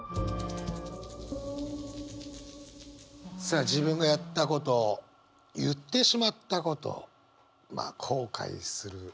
さあ自分がやったこと言ってしまったことまあ後悔する。